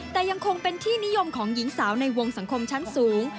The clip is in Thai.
แต่ยังคงเป็นที่นิยมของหญิงสาวในวงสังคมชั้นสูง